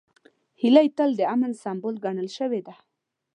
هیلۍ تل د امن سمبول ګڼل شوې ده